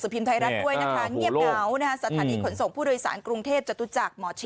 พัฒนาประตูตลอดความกัล